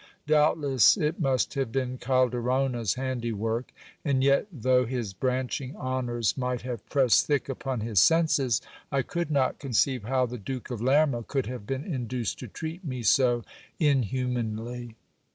Doubtless it must have been Calderona's handywork. And yet though his branching honours might have pressed thick upon his senses, I could not con ceive how the Duke of Lerma could have been induced to treat me so inhuman ly.